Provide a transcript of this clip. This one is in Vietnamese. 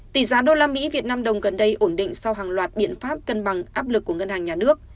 tỷ giá usd vnđ gần đây ổn định sau hàng loạt biện pháp cân bằng áp lực của ngân hàng nhà nước